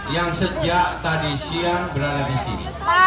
yang sejak tadi siang berangkat